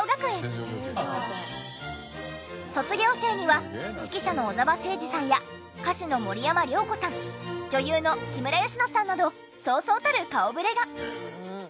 卒業生には指揮者の小澤征爾さんや歌手の森山良子さん女優の木村佳乃さんなどそうそうたる顔ぶれが。